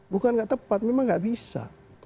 bukan tidak tepat memang tidak bisa